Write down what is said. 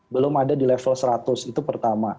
belum ada di level seratus itu pertama